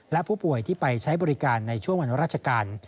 และผู้ป่วยที่ไปใช้บริการในช่วงวันราชการ